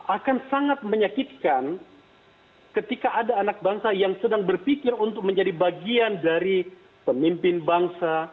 akan sangat menyakitkan ketika ada anak bangsa yang sedang berpikir untuk menjadi bagian dari pemimpin bangsa